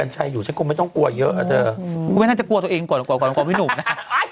ฉันอาจจะกลัวตัวเองกว่ากว่าของพี่หนุ่มนะ